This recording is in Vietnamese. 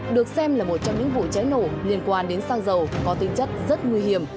được xem là một trong những vụ cháy nổ liên quan đến xăng dầu có tinh chất rất nguy hiểm